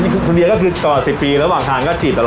ถึงคุณเบียก็คือตลอดสิบปีแล้วบางทางก็จี๊บตลอด